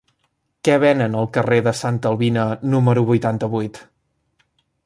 Què venen al carrer de Santa Albina número vuitanta-vuit?